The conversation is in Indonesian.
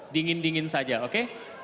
dingin dingin saja oke